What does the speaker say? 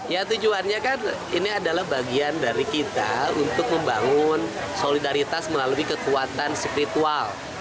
ya tujuannya kan ini adalah bagian dari kita untuk membangun solidaritas melalui kekuatan spiritual